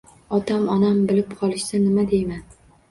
Ota-onam bilib qolishsa, nima deyman?